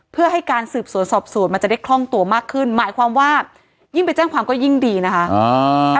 เพื่อให้การสืบสวนสอบสวนมันจะได้คล่องตัวมากขึ้นหมายความว่ายิ่งไปแจ้งความก็ยิ่งดีนะคะอ่า